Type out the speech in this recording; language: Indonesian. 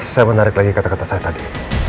saya menarik lagi kata kata saya tadi